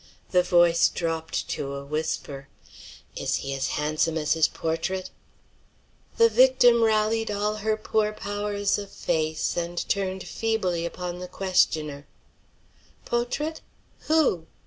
The voice dropped to a whisper, "Is he as handsome as his portrait?" The victim rallied all her poor powers of face, and turned feebly upon the questioner: "Po'trait? Who?"